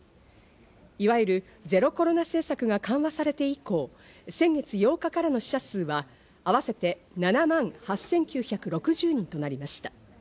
いわゆるゼロコロナ政策が緩和されて以降、先月８日からの死者数は合わせて７万８９６０人となりました。